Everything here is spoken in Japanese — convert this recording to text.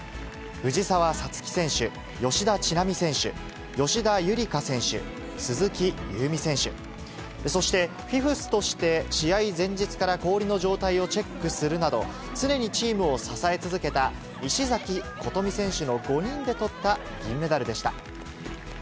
藤澤五月選手、吉田知那美選手、吉田夕梨花選手、鈴木夕湖選手、そしてフィフスとして試合前日から氷の状態をチェックするなど、常にチームを支え続けた石崎琴美選手の５人でとった銀メダルでした。